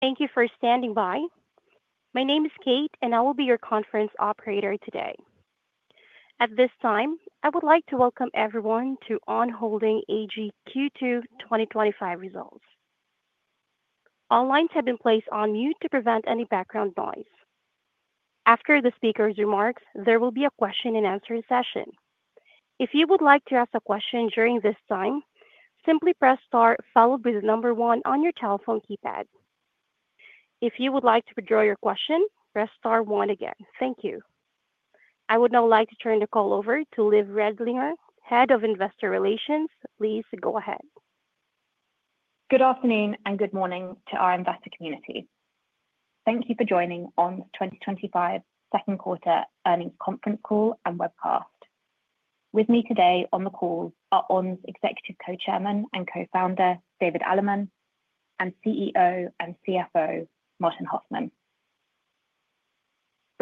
Thank you for standing by. My name is Kate, and I will be your conference operator today. At this time, I would like to welcome everyone to On Holding AG Q2 2025 Results. All lines have been placed on mute to prevent any background noise. After the speaker's remarks, there will be a question and answer session. If you would like to ask a question during this time, simply press star followed by the number one on your telephone keypad. If you would like to withdraw your question, press star one again. Thank you. I would now like to turn the call over to Liv Radlinger, Head of Investor Relations. Please go ahead. Good afternoon and good morning to our investor community. Thank you for joining On's 2025 Second Quarter Earnings Conference Call and Webcast. With me today on the call are On's Executive Co-Chairman and Co-Founder, David Allemann, and CEO and CFO, Martin Hoffmann.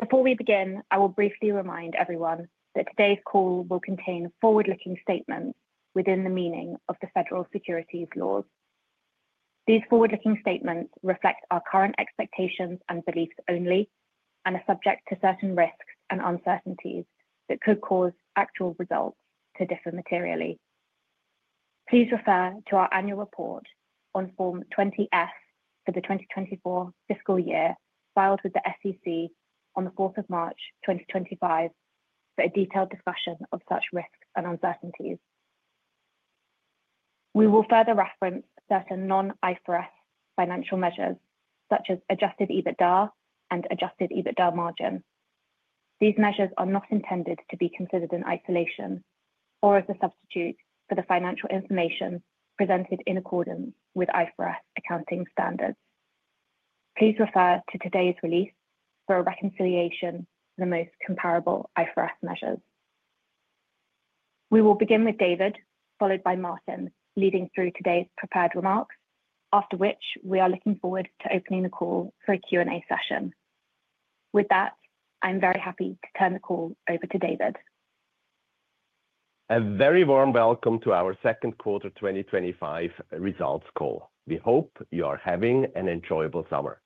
Before we begin, I will briefly remind everyone that today's call will contain forward-looking statements within the meaning of the Federal Securities Laws. These forward-looking statements reflect our current expectations and beliefs only and are subject to certain risks and uncertainties that could cause actual results to differ materially. Please refer to our annual report on Form 20-F for the 2024 fiscal year filed with the SEC on March 4th 2025 for a detailed discussion of such risks and uncertainties. We will further reference certain non-IFRS financial measures such as adjusted EBITDA and adjusted EBITDA margin. These measures are not intended to be considered in isolation or as a substitute for the financial information presented in accordance with IFRS accounting standards. Please refer to today's release for a reconciliation of the most comparable IFRS measures. We will begin with David, followed by Martin, leading through today's prepared remarks, after which we are looking forward to opening the call for a Q&A session. With that, I'm very happy to turn the call over to David. A very warm welcome to our Second Quarter 2025 Results Call. We hope you are having an enjoyable summer.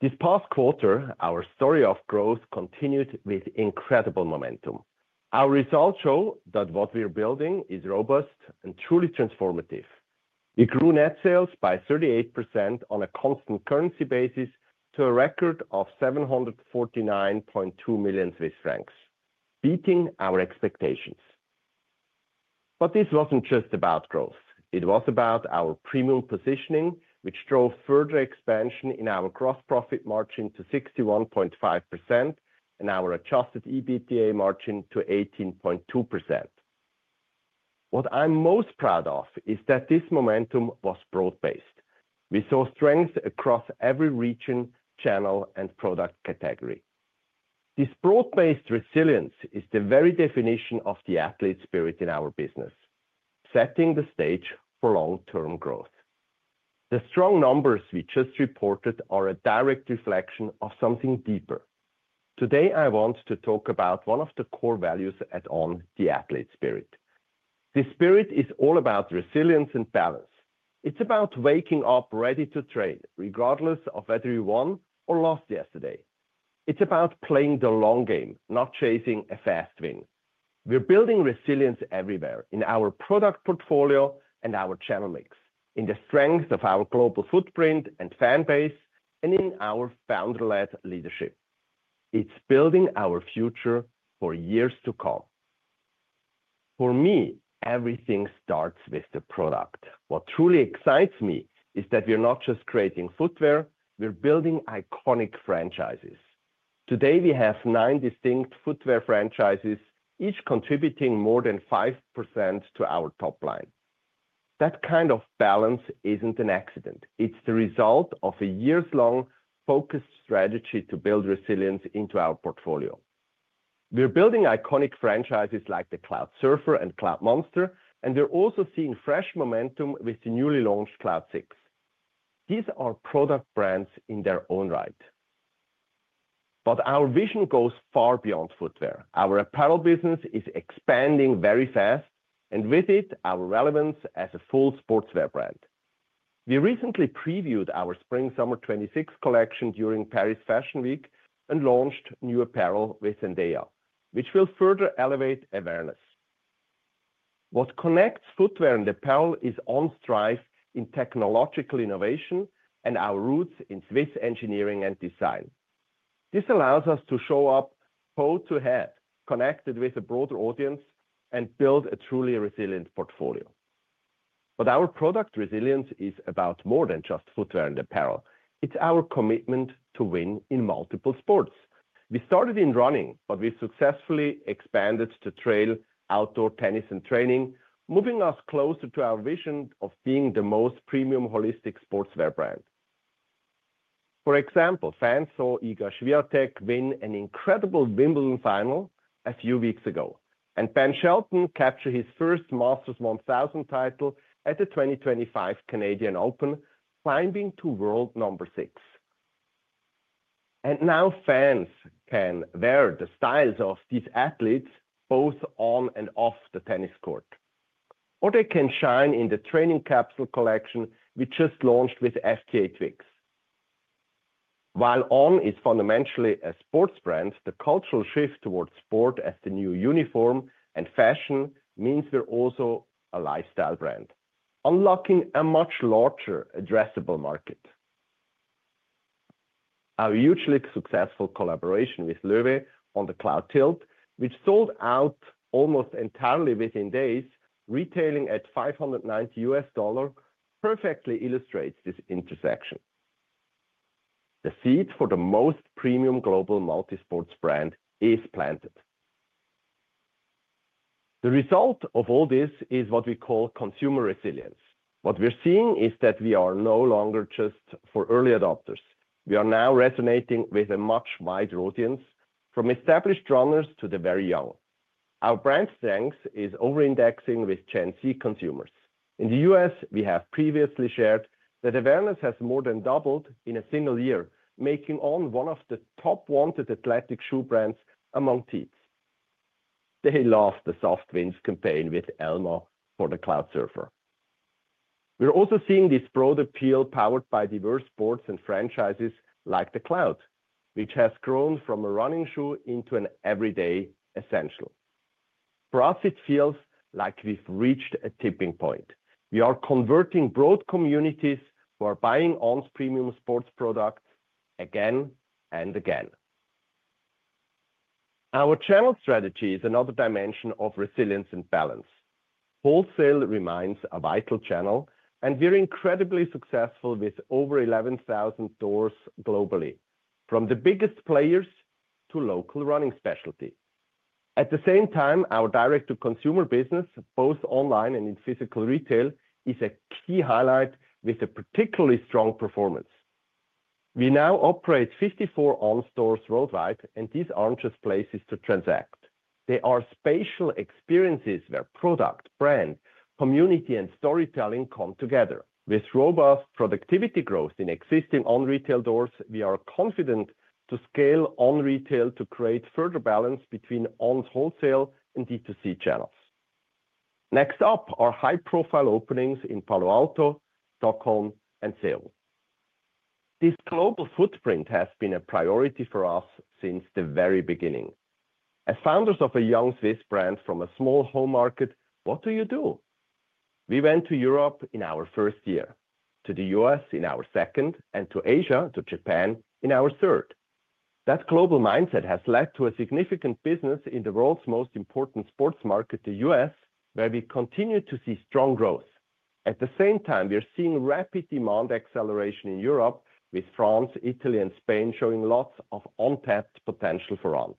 This past quarter, our story of growth continued with incredible momentum. Our results show that what we are building is robust and truly transformative. We grew net sales by 38% on a constant currency basis to a record of 749.2 million Swiss francs, beating our expectations. This was not just about growth. It was about our premium positioning, which drove further expansion in our gross profit margin to 61.5% and our adjusted EBITDA margin to 18.2%. What I'm most proud of is that this momentum was broad-based. We saw strength across every region, channel, and product category. This broad-based resilience is the very definition of the athlete spirit in our business, setting the stage for long-term growth. The strong numbers we just reported are a direct reflection of something deeper. Today, I want to talk about one of the core values at On: the athlete spirit. This spirit is all about resilience and balance. It's about waking up ready to trade, regardless of whether you won or lost yesterday. It's about playing the long game, not chasing a fast win. We're building resilience everywhere: in our product portfolio and our channel mix, in the strength of our global footprint and fan base, and in our founder-led leadership. It's building our future for years to come. For me, everything starts with the product. What truly excites me is that we're not just creating footwear; we're building iconic franchises. Today, we have nine distinct footwear franchises, each contributing more than 5% to our top line. That kind of balance isn't an accident. It's the result of a years-long focused strategy to build resilience into our portfolio. We're building iconic franchises like the Cloudsurfer and Cloudmonster, and we're also seeing fresh momentum with the newly launched Cloud 6. These are product brands in their own right. Our vision goes far beyond footwear. Our apparel business is expanding very fast, and with it, our relevance as a full sportswear brand. We recently previewed our Spring/Summer 2026 collection during Paris Fashion Week and launched new apparel with Zendaya, which will further elevate awareness. What connects footwear and apparel is On's drive in technological innovation and our roots in Swiss engineering and design. This allows us to show up head-to-head, connected with a broader audience, and build a truly resilient portfolio. Our product resilience is about more than just footwear and apparel. It's our commitment to win in multiple sports. We started in running, but we've successfully expanded to trail, outdoor, tennis, and training, moving us closer to our vision of being the most premium holistic sportswear brand. For example, fans saw Iga Światek win an incredible Wimbledon final a few weeks ago, and Ben Shelton captured his first Masters 1,000 title at the 2025 Canadian Open, climbing to world number siz. Now fans can wear the styles of these athletes both on and off the tennis court, or they can shine in the training capsule collection we just launched with FKA Twigs. While On is fundamentally a sports brand, the cultural shift towards sport as the new uniform and fashion means we're also a lifestyle brand, unlocking a much larger addressable market. Our hugely successful collaboration with Loewe on the Cloud Tilt, which sold out almost entirely within days, retailing at $590, perfectly illustrates this intersection. The seed for the most premium global multi-sports brand is planted. The result of all this is what we call consumer resilience. What we're seeing is that we are no longer just for early adopters. We are now resonating with a much wider audience, from established runners to the very young. Our brand strength is over-indexing with Gen Z consumers. In the U.S., we have previously shared that awareness has more than doubled in a single year, making On one of the top-wanted athletic shoe brands among teens. They love the Soft Wins campaign with Elmo for the Cloudsurfer. We're also seeing this broad appeal powered by diverse sports and franchises like the Cloud, which has grown from a running shoe into an everyday essential. For us, it feels like we've reached a tipping point. We are converting broad communities who are buying On's premium sports products again and again. Our channel strategy is another dimension of resilience and balance. Wholesale remains a vital channel, and we're incredibly successful with over 11,000 stores globally, from the biggest players to local running specialties. At the same time, our direct-to-consumer business, both online and in physical retail, is a key highlight with a particularly strong performance. We now operate 54 On stores worldwide, and these aren't just places to transact. They are spatial experiences where product, brand, community, and storytelling come together. With robust productivity growth in existing On retail stores, we are confident to scale On retail to create further balance between On's wholesale and D2C channels. Next up are high-profile openings in Palo Alto, Stockholm, and Seoul. This global footprint has been a priority for us since the very beginning. As founders of a young Swiss brand from a small home market, what do you do? We went to Europe in our first year, to the U.S. in our second, and to Asia, to Japan in our third. That global mindset has led to a significant business in the world's most important sports market, the U.S., where we continue to see strong growth. At the same time, we are seeing rapid demand acceleration in Europe, with France, Italy, and Spain showing lots of untapped potential for On.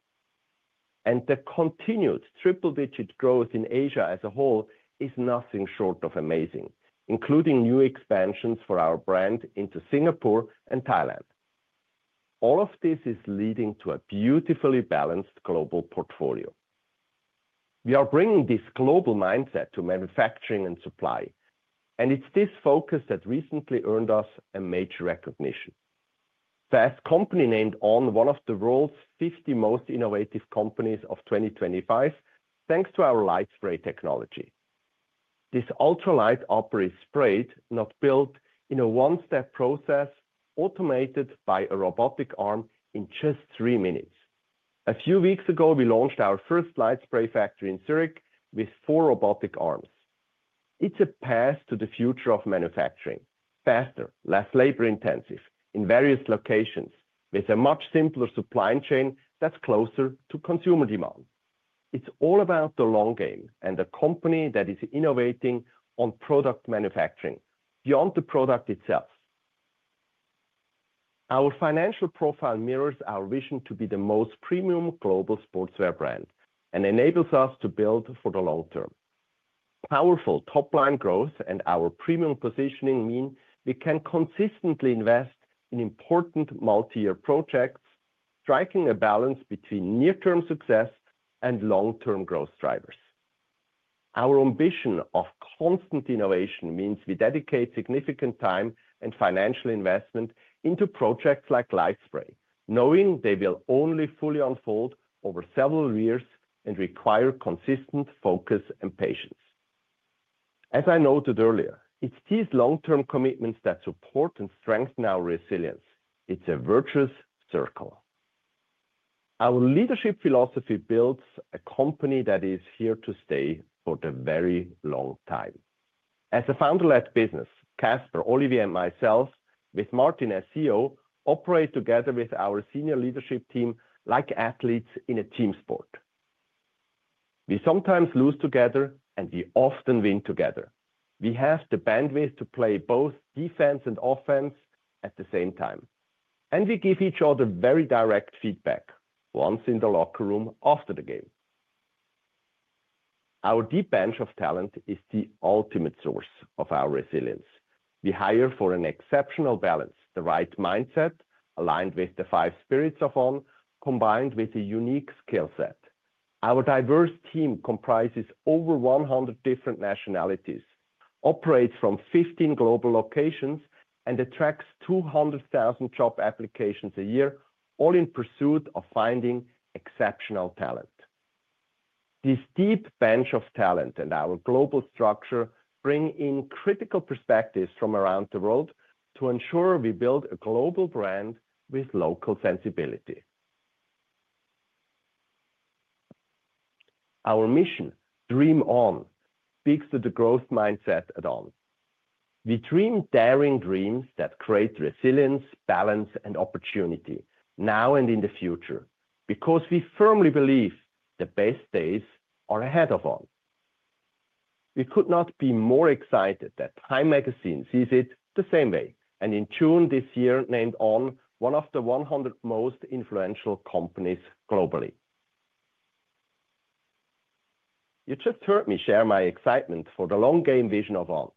The continued triple-digit growth in Asia as a whole is nothing short of amazing, including new expansions for our brand into Singapore and Thailand. All of this is leading to a beautifully balanced global portfolio. We are bringing this global mindset to manufacturing and supply, and it's this focus that recently earned us a major recognition. Fast Company named On one of the world's 50 most innovative companies of 2025, thanks to our LightSpray technology. This ultra-light proprietary spray is now built in a one-step process, automated by a robotic arm in just three minutes. A few weeks ago, we launched our first LightSpray factory in Zurich with four robotic arms. It's a path to the future of manufacturing: faster, less labor-intensive, in various locations, with a much simpler supply chain that's closer to consumer demand. It's all about the long game and the company that is innovating on product manufacturing beyond the product itself. Our financial profile mirrors our vision to be the most premium global sportswear brand and enables us to build for the long term. Powerful top-line growth and our premium positioning mean we can consistently invest in important multi-year projects, striking a balance between near-term success and long-term growth drivers. Our ambition of constant innovation means we dedicate significant time and financial investment into projects like LightSpray, knowing they will only fully unfold over several years and require consistent focus and patience. As I noted earlier, it's these long-term commitments that support and strengthen our resilience. It's a virtuous circle. Our leadership philosophy builds a company that is here to stay for a very long time. As a founder-led business, Caspar, Olivier, and myself, with Martin as CEO, operate together with our Senior Leadership Team like athletes in a team sport. We sometimes lose together, and we often win together. We have the bandwidth to play both defense and offense at the same time. We give each other very direct feedback, once in the locker room after the game. Our deep bench of talent is the ultimate source of our resilience. We hire for an exceptional balance: the right mindset, aligned with the five spirits of On, combined with a unique skill set. Our diverse team comprises over 100 different nationalities, operates from 15 global locations, and attracts 200,000 job applications a year, all in pursuit of finding exceptional talent. This deep bench of talent and our global structure bring in critical perspectives from around the world to ensure we build a global brand with local sensibility. Our mission, Dream On, speaks to the growth mindset at On. We dream daring dreams that create resilience, balance, and opportunity now and in the future because we firmly believe the best days are ahead of On. We could not be more excited that Time Magazine sees it the same way and in tune this year named On one of the 100 most influential companies globally. You just heard me share my excitement for the long-game vision of On.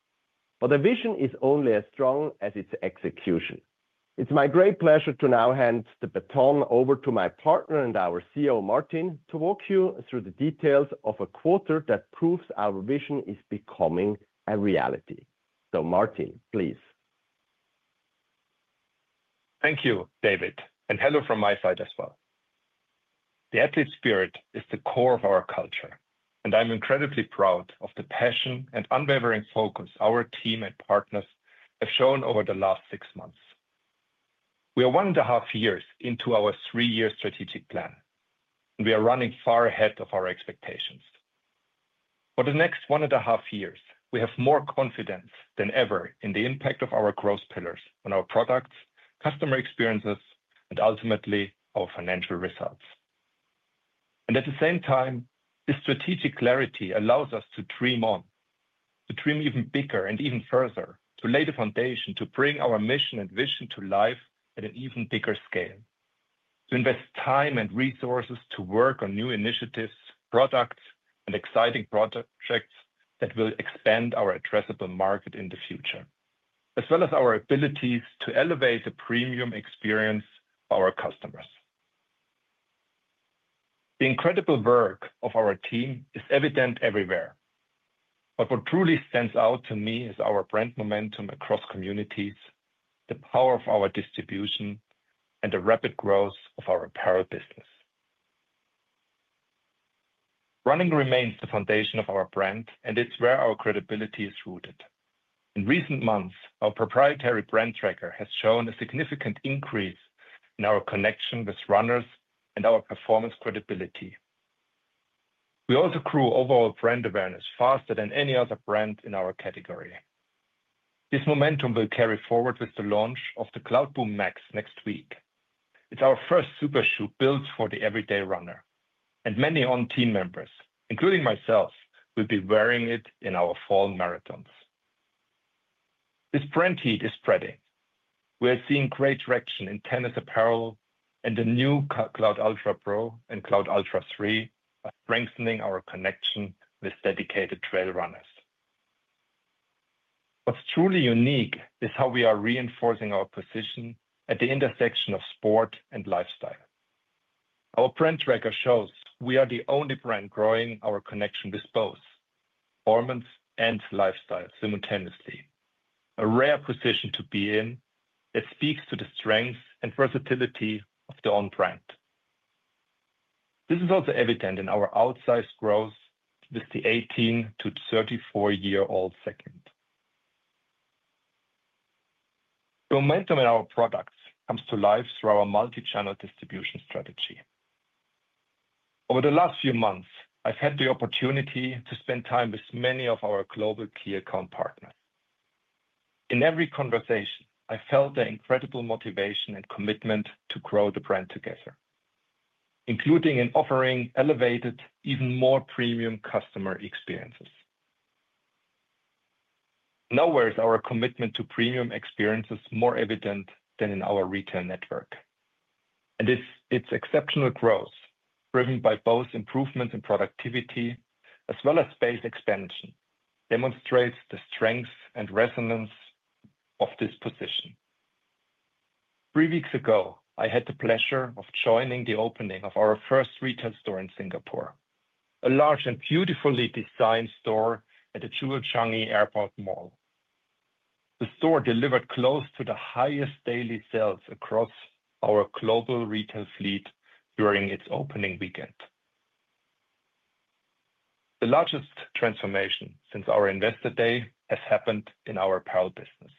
The vision is only as strong as its execution. It's my great pleasure to now hand the baton over to my partner and our CEO, Martin, to walk you through the details of a quarter that proves our vision is becoming a reality. Martin, please. Thank you, David, and hello from my side as well. The athlete spirit is the core of our culture, and I'm incredibly proud of the passion and unwavering focus our team and partners have shown over the last six months. We are one and a half years into our three-year strategic plan, and we are running far ahead of our expectations. For the next one and a half years, we have more confidence than ever in the impact of our growth pillars on our products, customer experiences, and ultimately, our financial results. At the same time, this strategic clarity allows us to dream on, to dream even bigger and even further, to lay the foundation to bring our mission and vision to life at an even bigger scale, to invest time and resources to work on new initiatives, products, and exciting projects that will expand our addressable market in the future, as well as our abilities to elevate the premium experience for our customers. The incredible work of our team is evident everywhere. What truly stands out to me is our brand momentum across communities, the power of our distribution, and the rapid growth of our apparel business. Running remains the foundation of our brand, and it's where our credibility is rooted. In recent months, our proprietary brand tracker has shown a significant increase in our connection with runners and our performance credibility. We also grew overall brand awareness faster than any other brand in our category. This momentum will carry forward with the launch of the CloudBoom Max next week. It's our first super shoe built for the everyday runner, and many On team members, including myself, will be wearing it in our fall marathons. This brand heat is spreading. We are seeing great traction in tennis apparel, and the new Cloud Ultra Pro and Cloud Ultra 3 are strengthening our connection with dedicated trail runners. What's truly unique is how we are reinforcing our position at the intersection of sport and lifestyle. Our brand tracker shows we are the only brand growing our connection with both performance and lifestyle simultaneously, a rare position to be in that speaks to the strength and versatility of the On brand. This is also evident in our outsized growth with the 18-34-year-old segment. The momentum in our products comes to life through our multi-channel distribution strategy. Over the last few months, I've had the opportunity to spend time with many of our global key account partners. In every conversation, I felt their incredible motivation and commitment to grow the brand together, including in offering elevated, even more premium customer experiences. Nowhere is our commitment to premium experiences more evident than in our retail network. Its exceptional growth, driven by both improvements in productivity as well as space expansion, demonstrates the strength and resonance of this position. Three weeks ago, I had the pleasure of joining the opening of our first retail store in Singapore, a large and beautifully designed store at the Changi Airport Mall. The store delivered close to the highest daily sales across our global retail fleet during its opening weekend. The largest transformation since our investor day has happened in our apparel business.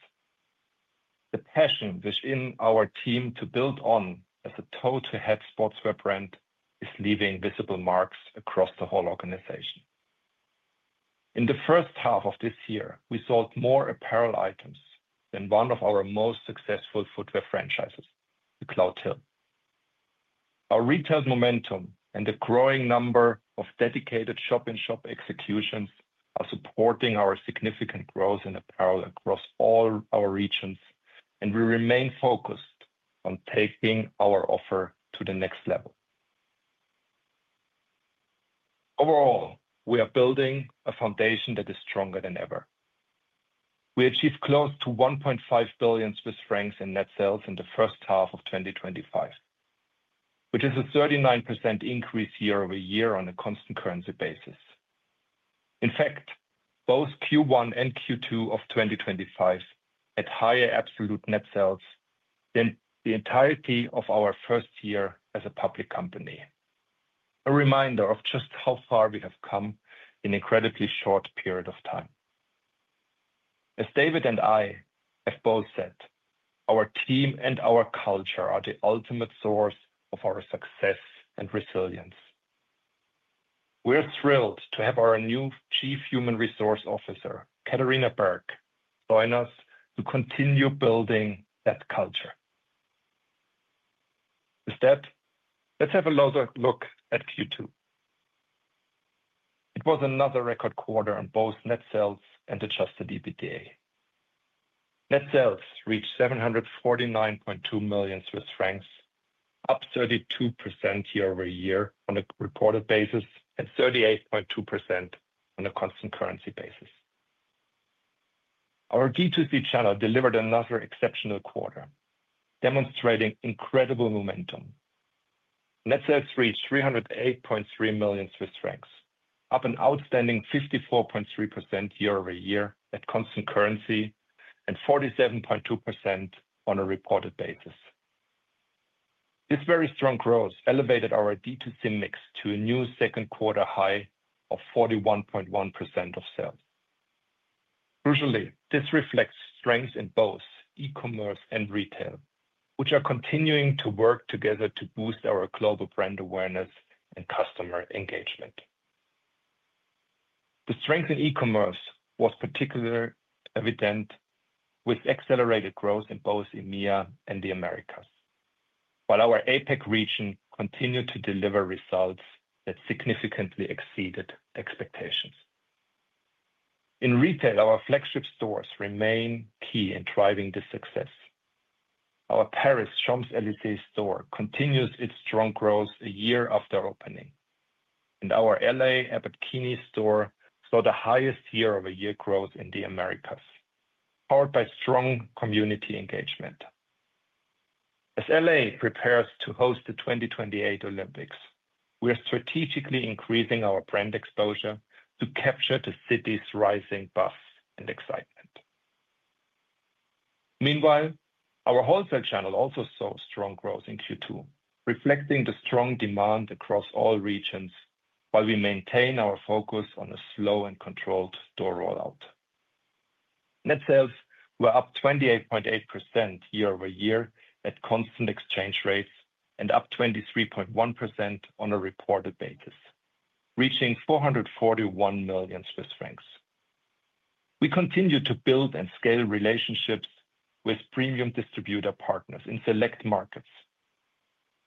The passion within our team to build On as a toe-to-head sportswear brand is leaving visible marks across the whole organization. In the first half of this year, we sold more apparel items than one of our most successful footwear franchises, the Cloudtilt. Our retail momentum and the growing number of dedicated shop-in-shop executions are supporting our significant growth in apparel across all our regions, and we remain focused on taking our offer to the next level. Overall, we are building a foundation that is stronger than ever. We achieved close to 1.5 billion Swiss francs in net sales in the first half of 2025, which is a 39% increase year-over-year on a constant currency basis. In fact, both Q1 and Q2 of 2025 had higher absolute net sales than the entirety of our first year as a public company. This is a reminder of just how far we have come in an incredibly short period of time. As David and I have both said, our team and our culture are the ultimate source of our success and resilience. We are thrilled to have our new Chief Human Resource Officer, Katharina Berg, join us to continue building that culture. With that, let's have a look at Q2. It was another record quarter on both net sales and adjusted EBITDA. Net sales reached 749.2 million Swiss francs, up 32% year-over-year on a reported basis, and 38.2% on a constant currency basis. Our D2C channel delivered another exceptional quarter, demonstrating incredible momentum. Net sales reached 308.3 million Swiss francs, up an outstanding 54.3% year-over-year at constant currency, and 47.2% on a reported basis. This very strong growth elevated our D2C mix to a new second-quarter high of 41.1% of sales. Crucially, this reflects strengths in both e-commerce and retail, which are continuing to work together to boost our global brand awareness and customer engagement. The strength in e-commerce was particularly evident with accelerated growth in both EMEA and the Americas, while our APAC region continued to deliver results that significantly exceeded expectations. In retail, our flagship stores remain key in driving this success. Our Paris Champs-Élysées store continues its strong growth a year after opening, and our LA Abbot Kinney store saw the highest year-over-year growth in the Americas, powered by strong community engagement. As LA prepares to host the 2028 Olympics, we are strategically increasing our brand exposure to capture the city's rising buzz and excitement. Meanwhile, our wholesale channel also saw strong growth in Q2, reflecting the strong demand across all regions while we maintain our focus on a slow and controlled door rollout. Net sales were up 28.8% year-over-year at constant exchange rates and up 23.1% on a reported basis, reaching 441 million Swiss francs. We continue to build and scale relationships with premium distributor partners in select markets.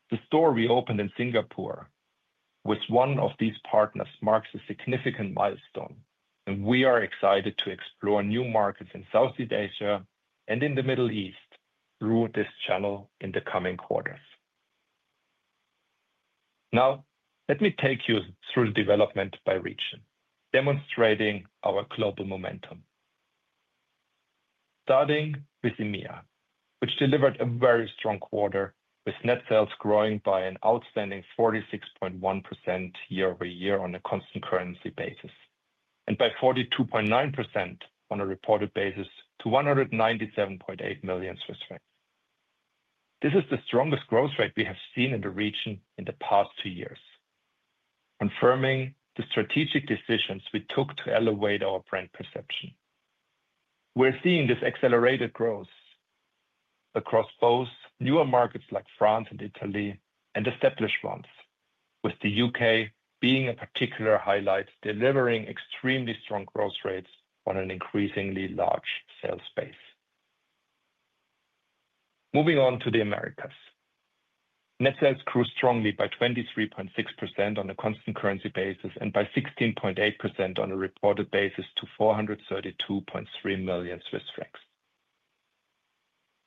The store reopened in Singapore with one of these partners marked a significant milestone, and we are excited to explore new markets in Southeast Asia and in the Middle East through this channel in the coming quarters. Now, let me take you through the development by region, demonstrating our global momentum. Starting with EMEA, which delivered a very strong quarter with net sales growing by an outstanding 46.1% year-over-year on a constant currency basis, and by 42.9% on a reported basis to 197.8 million Swiss francs. This is the strongest growth rate we have seen in the region in the past two years, confirming the strategic decisions we took to elevate our brand perception. We're seeing this accelerated growth across both newer markets like France and Italy and established ones, with the U.K. being a particular highlight, delivering extremely strong growth rates on an increasingly large sales base. Moving on to the Americas, net sales grew strongly by 23.6% on a constant currency basis and by 16.8% on a reported basis to 432.3 million Swiss francs.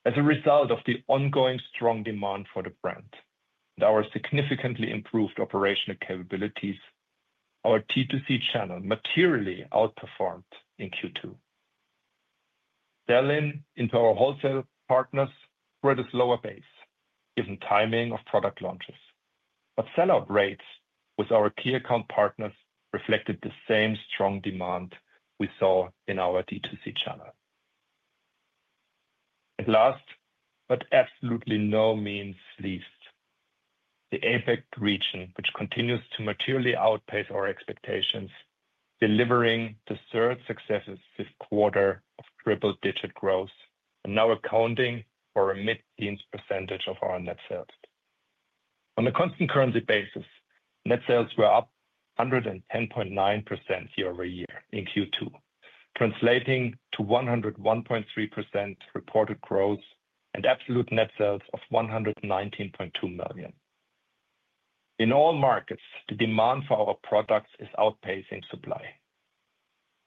As a result of the ongoing strong demand for the brand and our significantly improved operational capabilities, our D2C channel materially outperformed in Q2. Selling into our wholesale partners grew at a slower pace, given timing of product launches, but sell-out rates with our key account partners reflected the same strong demand we saw in our D2C channel. Last, but absolutely by no means least, the APAC region, which continues to materially outpace our expectations, delivered the third successive fifth quarter of triple-digit growth, now accounting for a mid-teens percentage of our net sales. On a constant currency basis, net sales were up 110.9% year-over-year in Q2, translating to 101.3% reported growth and absolute net sales of 119.2 million. In all markets, the demand for our products is outpacing supply.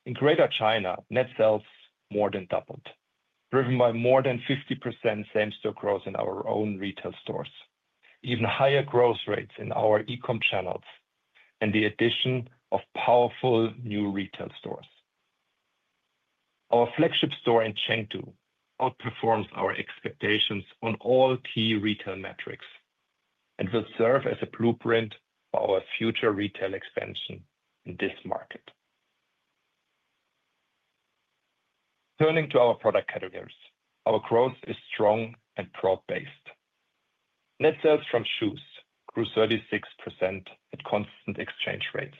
In Greater China, net sales more than doubled, driven by more than 50% same-store growth in our own retail stores, even higher growth rates in our e-com channels, and the addition of powerful new retail stores. Our flagship store in Chengdu outperforms our expectations on all key retail metrics and will serve as a blueprint for our future retail expansion in this market. Turning to our product categories, our growth is strong and broad-based. Net sales from shoes grew 36% at constant exchange rates.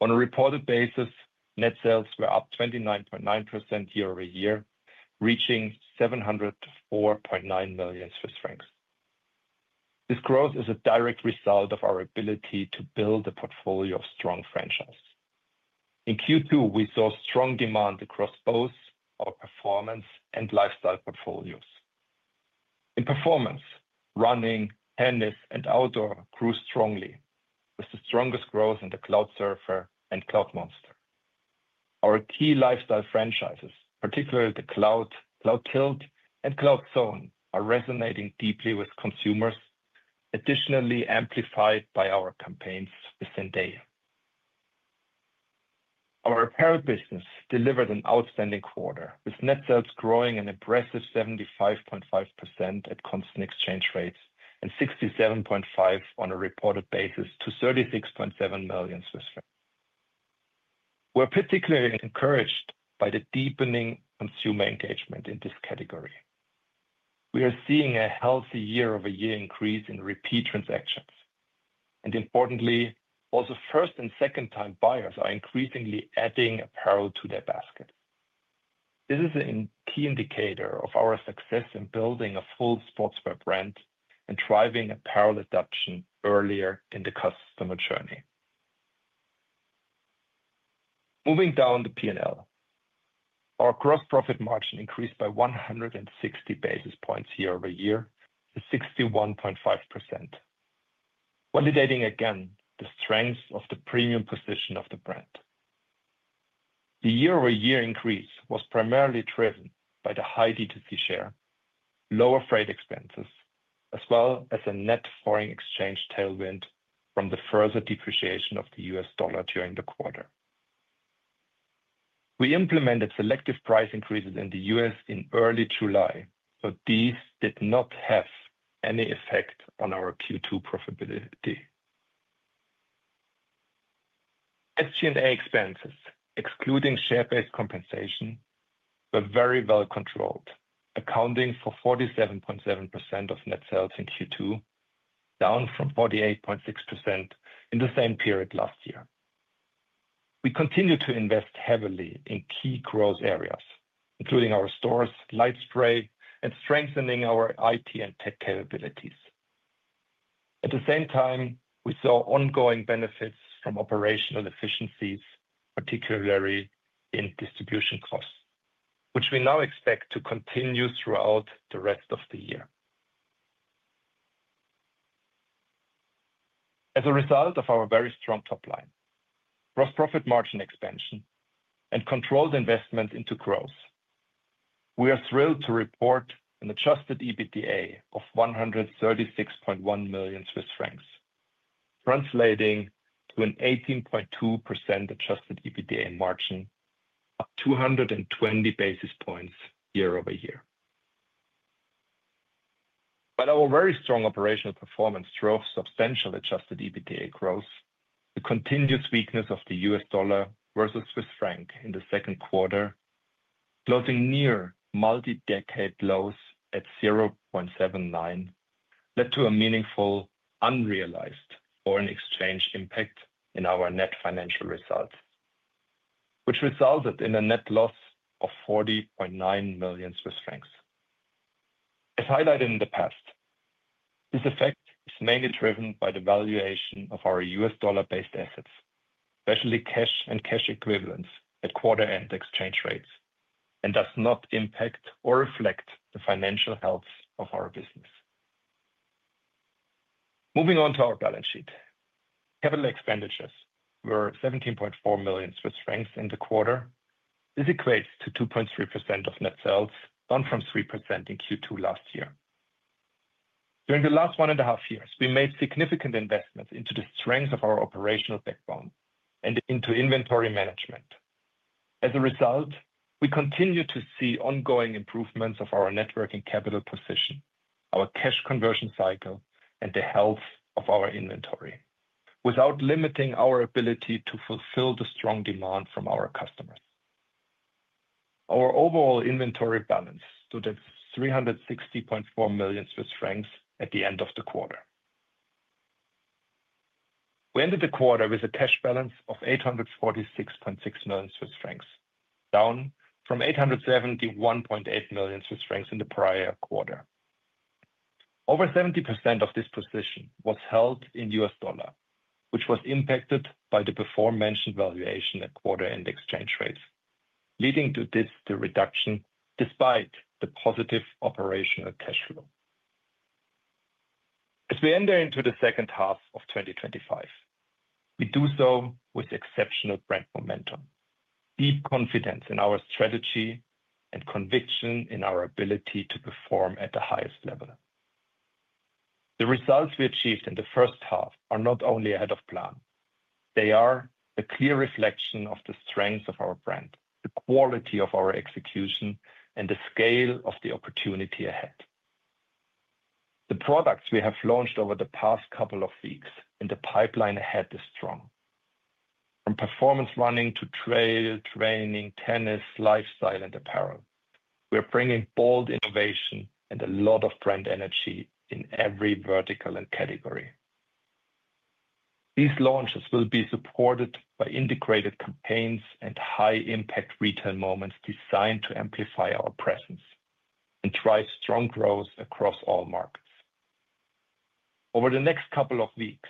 On a reported basis, net sales were up 29.9% year-over-year, reaching 704.9 million Swiss francs. This growth is a direct result of our ability to build a portfolio of strong franchises. In Q2, we saw strong demand across both our performance and lifestyle portfolios. In performance, running, tennis, and outdoor grew strongly, with the strongest growth in the Cloudsurfer and Cloudmonster. Our key lifestyle franchises, particularly the Cloud, Cloudtilt, and Cloudzone, are resonating deeply with consumers, additionally amplified by our campaigns with Zendaya. Our apparel business delivered an outstanding quarter, with net sales growing an impressive 75.5% at constant exchange rates and 67.5% on a reported basis to 36.7 million Swiss francs. We're particularly encouraged by the deepening consumer engagement in this category. We are seeing a healthy year-over-year increase in repeat transactions, and importantly, also first and second-time buyers are increasingly adding apparel to their basket. This is a key indicator of our success in building a full sportswear brand and driving apparel adoption earlier in the customer journey. Moving down to P&L, our gross profit margin increased by 160 basis points year-over-year to 61.5%, validating again the strength of the premium position of the brand. The year-over-year increase was primarily driven by the high D2C share, lower freight expenses, as well as a net foreign exchange tailwind from the further depreciation of the U.S. dollar during the quarter. We implemented selective price increases in the U.S. in early July, but these did not have any effect on our Q2 profitability. SG&A expenses, excluding share-based compensation, were very well controlled, accounting for 47.7% of net sales in Q2, down from 48.6% in the same period last year. We continue to invest heavily in key growth areas, including our stores, LightSpray, and strengthening our IT and tech capabilities. At the same time, we saw ongoing benefits from operational efficiencies, particularly in distribution costs, which we now expect to continue throughout the rest of the year. As a result of our very strong top line, gross profit margin expansion, and controlled investment into growth, we are thrilled to report an adjusted EBITDA of 136.1 million Swiss francs, translating to an 18.2% adjusted EBITDA margin, 220 basis points year-over-year. Our very strong operational performance drove substantial adjusted EBITDA growth. The continuous weakness of the US dollar versus Swiss franc in the second quarter, closing near multi-decade lows at 0.79, led to a meaningful unrealized foreign exchange impact in our net financial results, which resulted in a net loss of 40.9 million Swiss francs. As highlighted in the past, this effect is mainly driven by the valuation of our US dollar-based assets, especially cash and cash equivalents at quarter-end exchange rates, and does not impact or reflect the financial health of our business. Moving on to our balance sheet, capital expenditures were 17.4 million Swiss francs in the quarter. This equates to 2.3% of net sales, down from 3% in Q2 last year. During the last one and a half years, we made significant investments into the strength of our operational backbone and into inventory management. As a result, we continue to see ongoing improvements of our net working capital position, our cash conversion cycle, and the health of our inventory, without limiting our ability to fulfill the strong demand from our customers. Our overall inventory balance stood at 360.4 million Swiss francs at the end of the quarter. We ended the quarter with a cash balance of 846.6 million Swiss francs, down from 871.8 million Swiss francs in the prior quarter. Over 70% of this position was held in U.S. dollar, which was impacted by the before-mentioned valuation at quarter-end exchange rates, leading to this reduction despite the positive operational cash flow. As we enter into the second half of 2025, we do so with exceptional brand momentum, deep confidence in our strategy, and conviction in our ability to perform at the highest level. The results we achieved in the first half are not only ahead of plan, they are a clear reflection of the strength of our brand, the quality of our execution, and the scale of the opportunity ahead. The products we have launched over the past couple of weeks and the pipeline ahead are strong. From performance running to trail, training, tennis, lifestyle, and apparel, we are bringing bold innovation and a lot of brand energy in every vertical and category. These launches will be supported by integrated campaigns and high-impact retail moments designed to amplify our presence and drive strong growth across all markets. Over the next couple of weeks,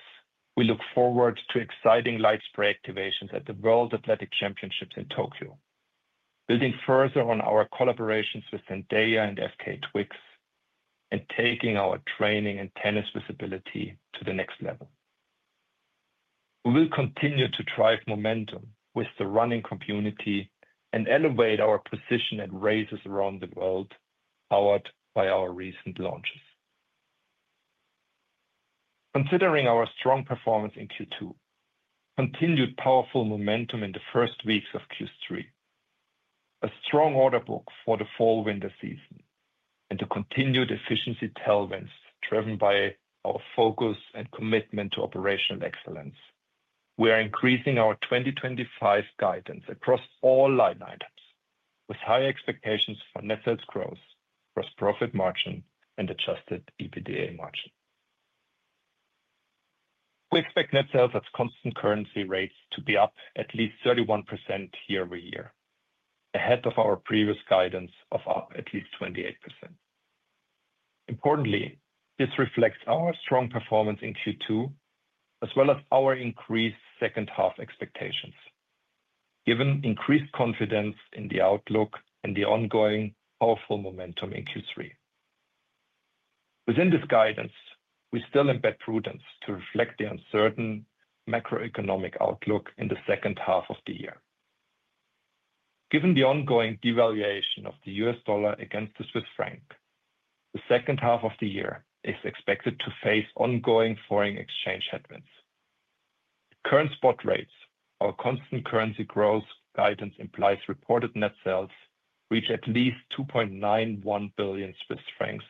we look forward to exciting LightSpray activations at the World Athletic Championships in Tokyo, building further on our collaborations with Zendaya and FKA Twigs, and taking our training and tennis visibility to the next level. We will continue to drive momentum with the running community and elevate our position at races around the world, powered by our recent launches. Considering our strong performance in Q2, continued powerful momentum in the first weeks of Q3, a strong order book for the fall winter season, and the continued efficiency tailwinds driven by our focus and commitment to operational excellence, we are increasing our 2025 guidance across all line items, with high expectations for net sales growth, gross profit margin, and adjusted EBITDA margin. We expect net sales at constant currency rates to be up at least 31% year-over-year, ahead of our previous guidance of at least 28%. Importantly, this reflects our strong performance in Q2, as well as our increased second-half expectations, given increased confidence in the outlook and the ongoing powerful momentum in Q3. Within this guidance, we still embed prudence to reflect the uncertain macroeconomic outlook in the second half of the year. Given the ongoing devaluation of the US dollar against the Swiss franc, the second half of the year is expected to face ongoing foreign exchange headwinds. At current spot rates, our constant currency growth guidance implies reported net sales reach at least 2.91 billion Swiss francs,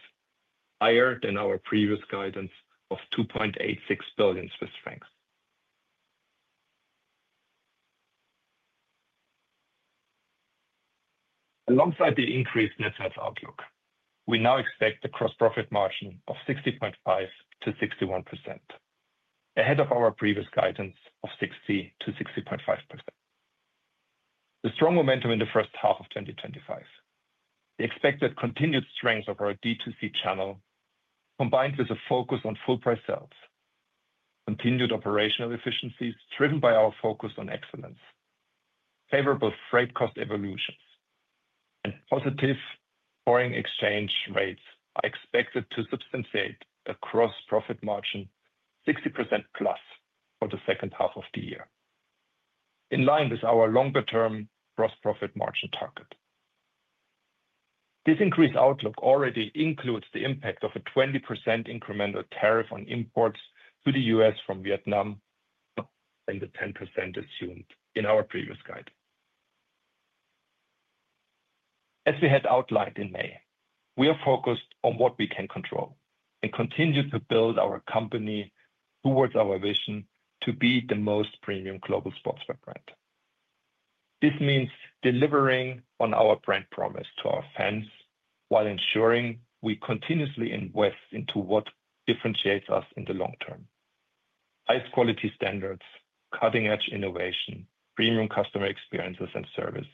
higher than our previous guidance of 2.86 billion Swiss francs. Alongside the increased net sales outlook, we now expect a gross profit margin of 60.5%-61%, ahead of our previous guidance of 60%-60.5%. The strong momentum in the first half of 2025, the expected continued strength of our D2C channel, combined with a focus on full-price sales, continued operational efficiencies driven by our focus on excellence, favorable freight cost evolutions, and positive foreign exchange rates are expected to substantiate a gross profit margin of 60%+ for the second half of the year, in line with our longer-term gross profit margin target. This increased outlook already includes the impact of a 20% incremental tariff on imports to the U.S. from Vietnam, and the 10% assumed in our previous guidance. As we had outlined in May, we are focused on what we can control and continue to build our company towards our vision to be the most premium global sportswear brand. This means delivering on our brand promise to our fans while ensuring we continuously invest into what differentiates us in the long term: highest quality standards, cutting-edge innovation, premium customer experiences and service,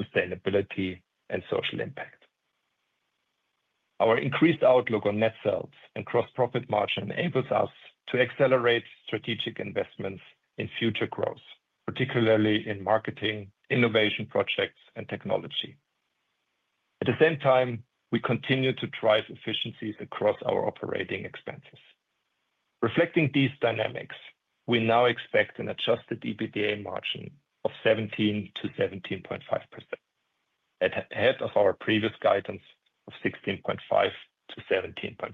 sustainability, and social impact. Our increased outlook on net sales and gross profit margin enables us to accelerate strategic investments in future growth, particularly in marketing, innovation projects, and technology. At the same time, we continue to drive efficiencies across our operating expenses. Reflecting these dynamics, we now expect an adjusted EBITDA margin of 17%-17.5%, ahead of our previous guidance of 16.5%-17.5%.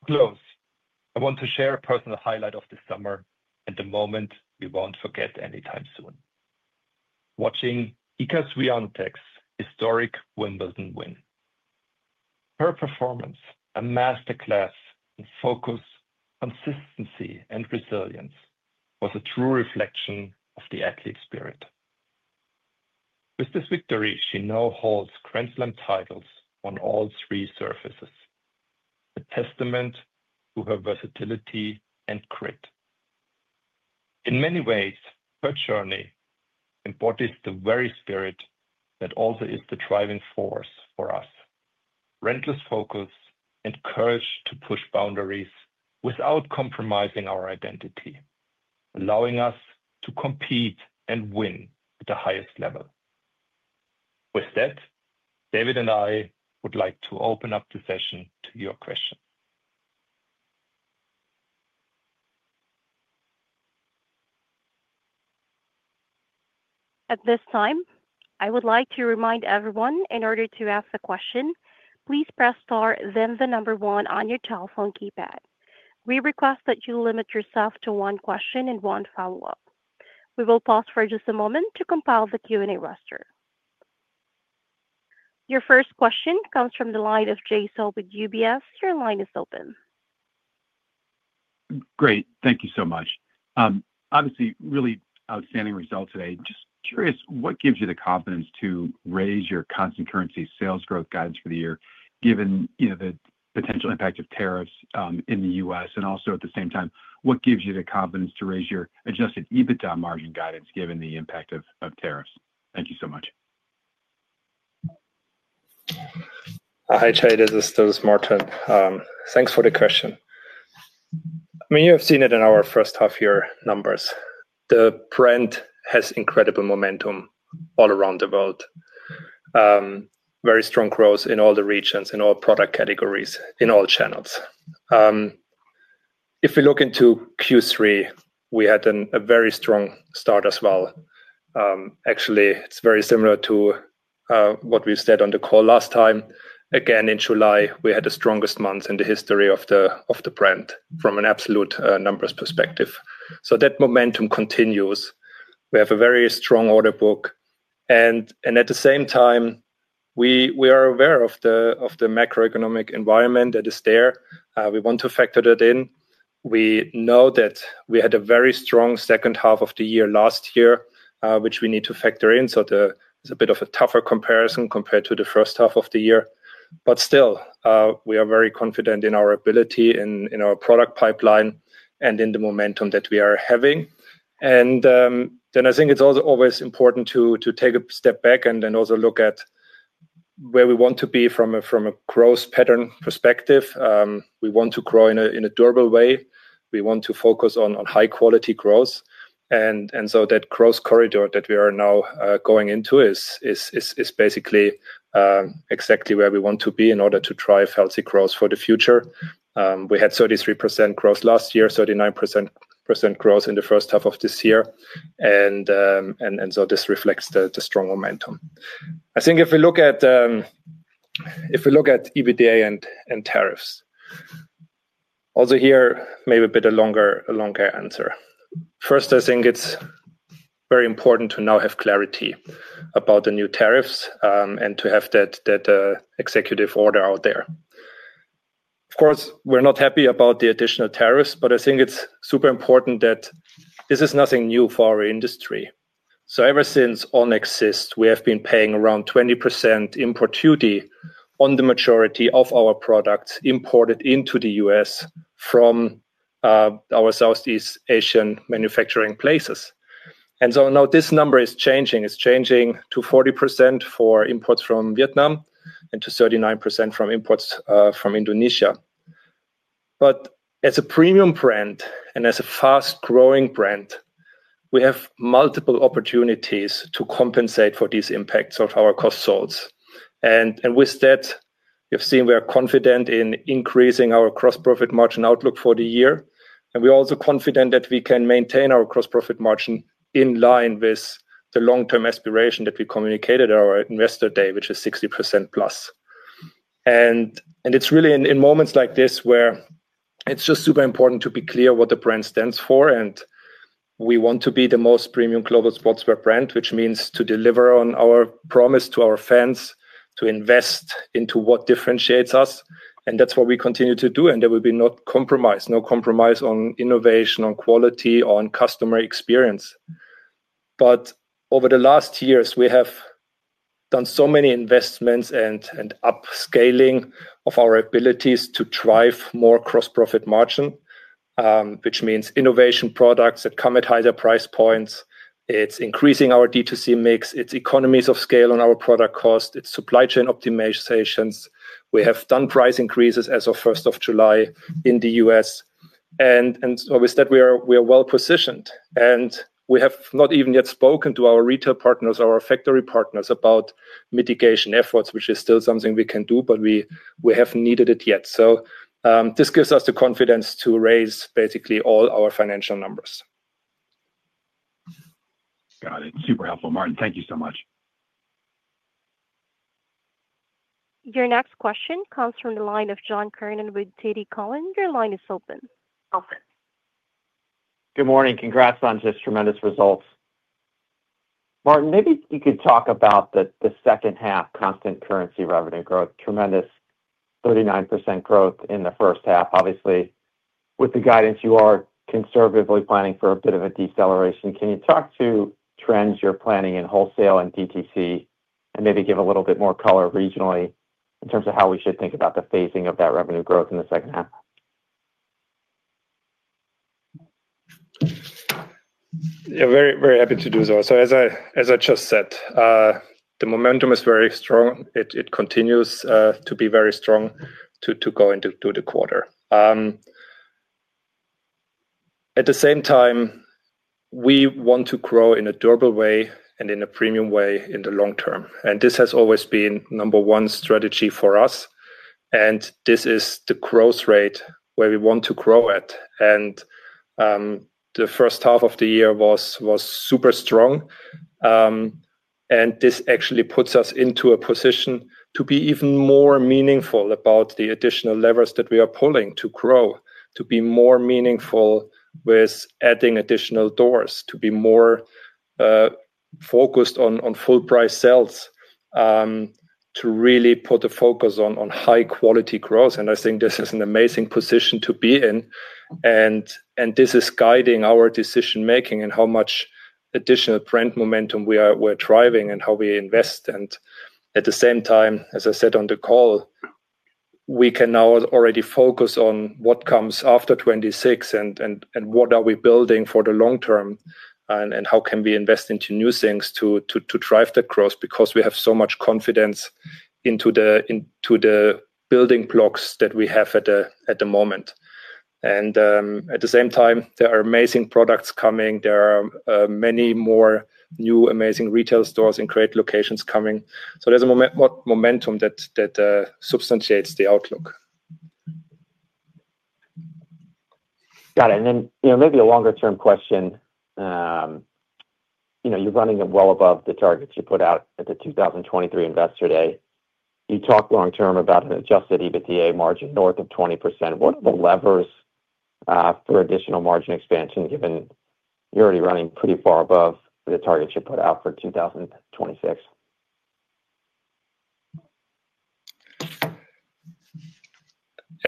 To close, I want to share a personal highlight of this summer and a moment we won't forget anytime soon: watching Iga Światek's historic Wimbledon win. Her performance, a master class in focus, consistency, and resilience, was a true reflection of the athlete spirit. With this victory, she now holds Grand Slam titles on all three surfaces, a testament to her versatility and grit. In many ways, her journey embodies the very spirit that also is the driving force for us: relentless focus and courage to push boundaries without compromising our identity, allowing us to compete and win at the highest level. With that, David and I would like to open up the session to your questions. At this time, I would like to remind everyone, in order to ask a question, please press star then the number one on your telephone keypad. We request that you limit yourself to one question and one follow-up. We will pause for just a moment to compile the Q&A roster. Your first question comes from the line of Jay Sole with UBS. Your line is open. Great, thank you so much. Obviously, really outstanding result today. Just curious, what gives you the confidence to raise your constant currency sales growth guidance for the year, given the potential impact of tariffs in the U.S.? Also, at the same time, what gives you the confidence to raise your adjusted EBITDA margin guidance, given the impact of tariffs? Thank you so much. Hi, traders and students. Martin, thanks for the question. I mean, you have seen it in our first half-year numbers. The brand has incredible momentum all around the world, very strong growth in all the regions, in all product categories, in all channels. If we look into Q3, we had a very strong start as well. Actually, it's very similar to what we said on the call last time. In July, we had the strongest months in the history of the brand from an absolute numbers perspective. That momentum continues. We have a very strong order book, and at the same time, we are aware of the macroeconomic environment that is there. We want to factor that in. We know that we had a very strong second half of the year last year, which we need to factor in. It's a bit of a tougher comparison compared to the first half of the year. Still, we are very confident in our ability, in our product pipeline, and in the momentum that we are having. I think it's always important to take a step back and then also look at where we want to be from a growth pattern perspective. We want to grow in a durable way. We want to focus on high-quality growth. That growth corridor that we are now going into is basically exactly where we want to be in order to drive healthy growth for the future. We had 33% growth last year, 39% growth in the first half of this year. This reflects the strong momentum. I think if we look at EBITDA and tariffs, also here maybe a bit of a longer answer. First, I think it's very important to now have clarity about the new tariffs and to have that executive order out there. Of course, we're not happy about the additional tariffs, but I think it's super important that this is nothing new for our industry. Ever since On exists, we have been paying around 20% import duty on the majority of our products imported into the U.S. from our Southeast Asian manufacturing places. Now this number is changing. It's changing to 40% for imports from Vietnam and to 39% from imports from Indonesia. As a premium brand and as a fast-growing brand, we have multiple opportunities to compensate for these impacts of our cost sales. With that, we have seen we are confident in increasing our gross profit margin outlook for the year. We are also confident that we can maintain our gross profit margin in line with the long-term aspiration that we communicated at our investor day, which is 60%+. It's really in moments like this where it's just super important to be clear what the brand stands for. We want to be the most premium global sportswear brand, which means to deliver on our promise to our fans, to invest into what differentiates us. That's what we continue to do. There will be no compromise, no compromise on innovation, on quality, on customer experience. Over the last years, we have done so many investments and upscaling of our abilities to drive more gross profit margin, which means innovation products that come at higher price points. It's increasing our D2C mix. It's economies of scale on our product cost. It's supply chain optimizations. We have done price increases as of 1st July in the U.S. With that, we are well positioned. We have not even yet spoken to our retail partners, our factory partners about mitigation efforts, which is still something we can do, but we haven't needed it yet. This gives us the confidence to raise basically all our financial numbers. Got it. Super helpful, Martin. Thank you so much. Your next question comes from the line of John Kernan with TD Cowen. Your line is open. Good morning. Congrats on just tremendous results. Martin, maybe you could talk about the second half, constant currency revenue growth, tremendous 39% growth in the first half, obviously. With the guidance, you are conservatively planning for a bit of a deceleration. Can you talk to trends you're planning in wholesale and DTC and maybe give a little bit more color regionally in terms of how we should think about the phasing of that revenue growth in the second half? Yeah, very, very happy to do so. As I just said, the momentum is very strong. It continues to be very strong to go into the quarter. At the same time, we want to grow in a durable way and in a premium way in the long term. This has always been number one strategy for us. This is the growth rate where we want to grow at. The first half of the year was super strong. This actually puts us into a position to be even more meaningful about the additional levers that we are pulling to grow, to be more meaningful with adding additional doors, to be more focused on full-price sales, to really put the focus on high-quality growth. I think this is an amazing position to be in. This is guiding our decision-making and how much additional brand momentum we are driving and how we invest. At the same time, as I said on the call, we can now already focus on what comes after 2026 and what we are building for the long term and how can we invest into new things to drive that growth because we have so much confidence into the building blocks that we have at the moment. At the same time, there are amazing products coming. There are many more new, amazing retail stores and great locations coming. There is a momentum that substantiates the outlook. Got it. Maybe a longer-term question. You're running it well above the targets you put out at the 2023 investor day. You talk long-term about an adjusted EBITDA margin north of 20%. What are the levers for additional margin expansion, given you're already running pretty far above the targets you put out for 2026?